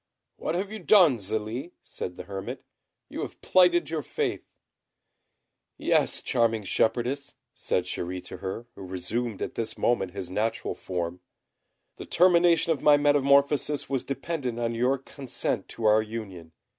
"What have you done, Zélie?" said the hermit. "You have plighted your faith." "Yes, charming shepherdess," said Chéri to her, who resumed at this moment his natural form, "the termination of my metamorphosis was dependent on your consent to our union.